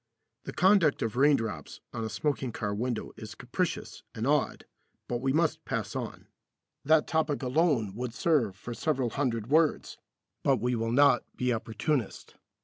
The conduct of raindrops on a smoking car window is capricious and odd, but we must pass on. That topic alone would serve for several hundred words, but we will not be opportunist.